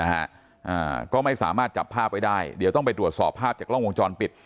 อ่าก็ไม่สามารถจับภาพไว้ได้เดี๋ยวต้องไปตรวจสอบภาพจากกล้องวงจรปิด